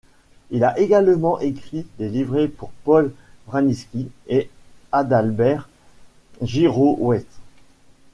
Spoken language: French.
Il a également écrit des livrets pour Paul Wranitzky et Adalbert Gyrowetz.